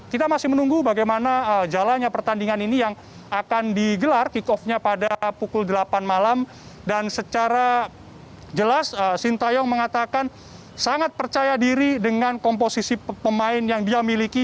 kita masih menunggu bagaimana jalannya pertandingan ini yang akan digelar kick offnya pada pukul delapan malam dan secara jelas sintayong mengatakan sangat percaya diri dengan komposisi pemain yang dia miliki